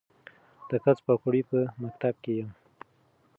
د کڅ پاګوړۍ پۀ سکول کښې يم